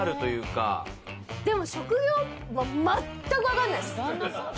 でも職業はまったくわかんないです。